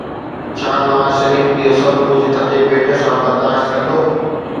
ڇا نواز شريف اهو سڀ ڪجهه ٿڌي پيٽ سان برداشت ڪندو؟